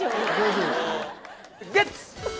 ゲッツ！